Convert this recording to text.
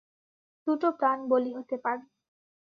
দুটো প্রাণ বলি হতে পারে।